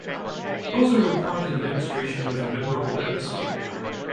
Pozzo replied to the demonstration with a memorable episode.